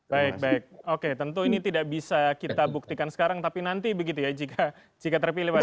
baik baik oke tentu ini tidak bisa kita buktikan sekarang tapi nanti begitu ya jika terpilih mas